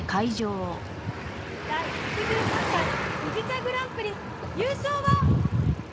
第６３回宇治茶グランプリ優勝は。